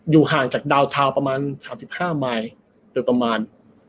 อยู่ห่างจากดาวน์ทาวน์ประมาณ๓๕มาย